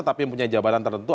tapi yang punya jabatan tertentu